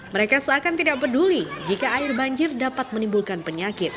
mereka seakan tidak peduli jika air banjir dapat menimbulkan penyakit